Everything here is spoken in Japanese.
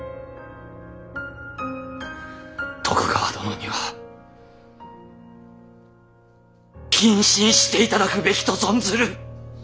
徳川殿には謹慎していただくべきと存ずる。